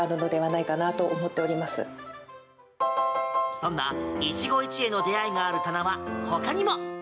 そんな一期一会の出会いがある棚は、ほかにも。